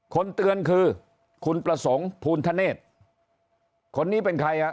คนเตือนคือคุณประสงค์ภูณธเนธคนนี้เป็นใครอ่ะ